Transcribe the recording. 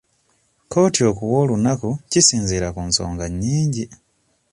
Kkooti okuwa olunaku kisinziira ku nsonga nnyingi.